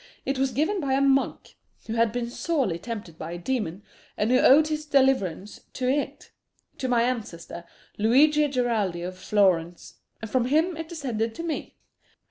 It was given by a monk who had been sorely tempted by a demon, and who owed his deliverance to it to my ancestor, Luigi Geraldi of Florence; and from him it descended to me."